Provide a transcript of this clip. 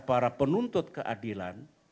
para penuntut keadilan